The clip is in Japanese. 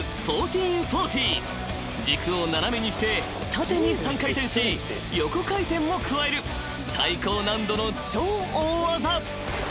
［軸を斜めにして縦に３回転し横回転も加える最高難度の超大技］